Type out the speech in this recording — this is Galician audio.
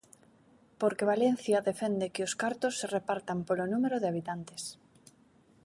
Porque Valencia defende que os cartos se repartan polo número de habitantes.